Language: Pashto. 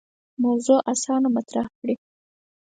موضوع اسانه مطرح کړي.